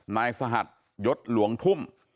นายสหัสยศหลวงทุ่ม